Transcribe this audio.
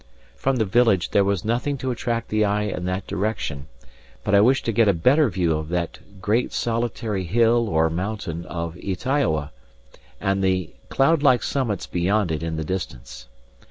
From the village there was nothing to attract the eye in that direction; but I wished to get a better view of that great solitary hill or mountain of Ytaioa, and of the cloud like summits beyond it in the distance.